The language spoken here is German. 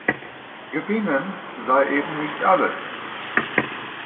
Gewinnen sei eben nicht alles.